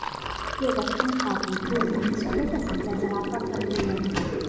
เกี่ยวกับคำขอของคุณ ฉันได้ตัดสินจะรับฟังคำเตือน